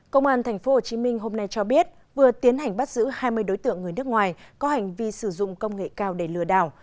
công an tp hcm hôm nay cho biết vừa tiến hành bắt giữ hai mươi đối tượng người nước ngoài có hành vi sử dụng công nghệ cao để lừa đảo